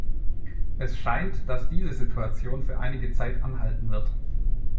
Es scheint, dass diese Situation für einige Zeit anhalten wird.